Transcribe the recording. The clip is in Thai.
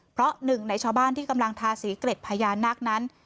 เพราะหนึ่งในชาวบ้านที่กำลังทาสีเกร็ดพญานาคนั้น